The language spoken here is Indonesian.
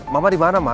mama dimana ma